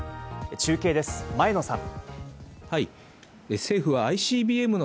中継です、前野さん。